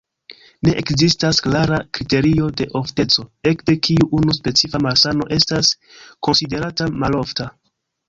Ne ekzistas klara kriterio de ofteco, ekde kiu unu specifa malsano estas konsiderata malofta.